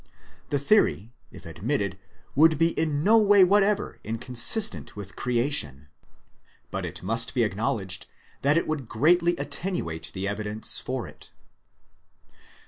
The theory if admitted would be in no way whatever inconsistent with Creation. But it must be acknowledged that it would greatly attenuate the evidence for it.